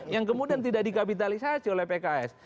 yang kemudian tidak dikapitalisasi oleh pks